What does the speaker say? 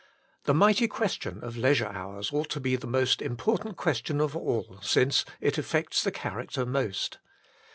... The mighty question of leisure hours ought to be the most important ques tion of all since it affects the character most.